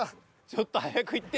ちょっと早く行って。